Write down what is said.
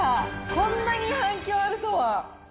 こんなに反響あるとは。